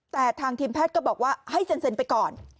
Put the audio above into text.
แต่ทางทีมแพทย์ก็บอกว่าให้เซ็นไปก่อน